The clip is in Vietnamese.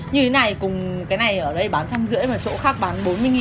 như thế này cùng cái này ở đây bán trăm rưỡi mà chỗ khác bán bốn mươi